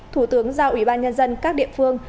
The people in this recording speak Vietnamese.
thủ tướng giao ủy ban nhân dân các địa phương